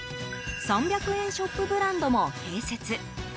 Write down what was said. ３００円ショップブランドも併設。